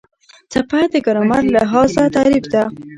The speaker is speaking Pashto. څپه د ګرامر لحاظه تعریف ده.